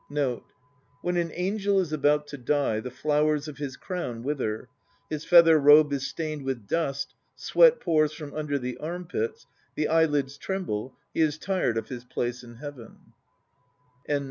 1 look into the plains of heaven, 1 When an angel is about to die, the flowers of his crown wither, his feather robe is stained with dust, sweat pours from under the arm pits, the eyelids tremble, he is tired of his place in heaven.